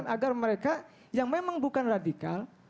agar mereka yang memang bukan radikal